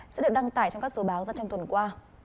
sẽ được đăng tải trong các số báo ra trong tuần qua